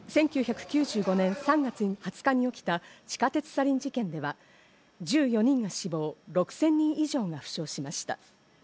１９９５年３月２０日に起きた地下鉄サリン事件では、１４人が死亡、６０００人以上が負傷しました。